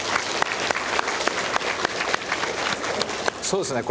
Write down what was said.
そうですね。